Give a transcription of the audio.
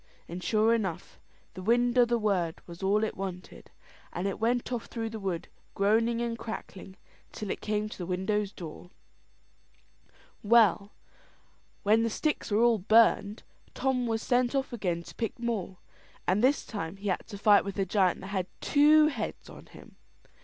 And sure enough, the wind o' the word was all it wanted. It went off through the wood, groaning and crackling, till it came to the widow's door. Well, when the sticks were all burned, Tom was sent off again to pick more; and this time he had to fight with a giant that had two heads on him.